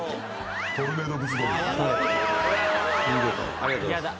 ・ありがとうございます。